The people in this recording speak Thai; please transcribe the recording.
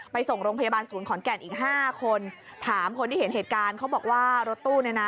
ไปส่งโรงพยาบาลศูนย์ขอนแก่นอีกห้าคนถามคนที่เห็นเหตุการณ์เขาบอกว่ารถตู้เนี่ยนะ